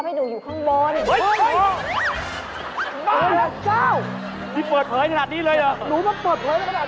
หนูรู้ว่าเปิดเผยแค่ขนาดนี้เหรอ